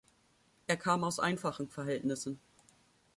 Er kam aus einfachen Verhältnissen.